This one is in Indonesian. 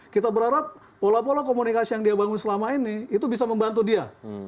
kita berharap pola pola komunikasi yang dia bangun selama ini itu bisa membantu dia